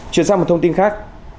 chuyển sang một thông tin khác